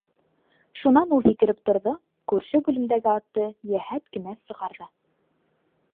- Шунан ул һикереп торҙо, күрше бүлемдәге атты йәһәт кенә сығарҙы.